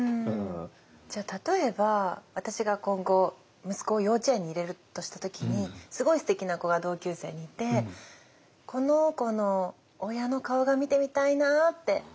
じゃあ例えば私が今後息子を幼稚園に入れるとした時にすごいすてきな子が同級生にいて「この子の親の顔が見てみたいな」って「すてきだな」って言っても。